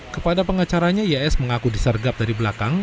kepada pengacaranya ys mengaku disergap dari belakang